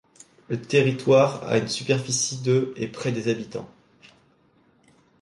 Le territoire a une superficie de et près de habitants.